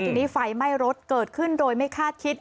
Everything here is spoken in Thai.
ทีนี้ไฟไหม้รถเกิดขึ้นโดยไม่คาดคิด